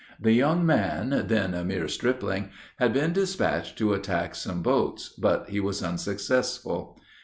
The young man, then a mere stripling, had been dispatched to attack some boats, but he was unsuccessful.